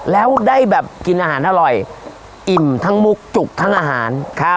แล้วได้แบบกินอาหารอร่อยอิ่มทั้งมุกจุกทั้งอาหาร